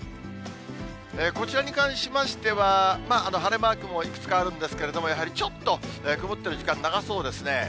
こちらに関しましては、晴れマークもいくつかあるんですけれども、やはりちょっと曇ってる時間、長そうですね。